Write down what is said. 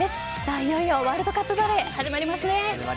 いよいよワールドカップバレーが始まりますね。